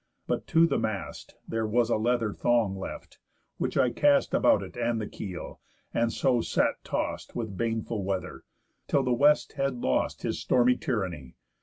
But to the mast There was a leather thong left, which I cast About it and the keel, and so sat tost With baneful weather, till the West had lost His stormy tyranny.